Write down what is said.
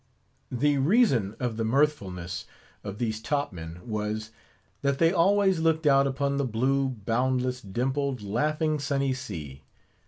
The reason of the mirthfulness of these top men was, that they always looked out upon the blue, boundless, dimpled, laughing, sunny sea.